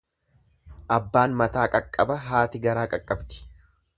Abbaan mataa qaqqaba haati garaa qaqqabdi.